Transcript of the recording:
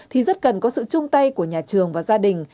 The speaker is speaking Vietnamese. thì rất cần có sự chung tay của nhà trường và gia đình